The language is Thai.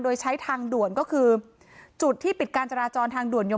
โดยใช้ทางด่วนก็คือจุดที่ปิดการจราจรทางด่วนยน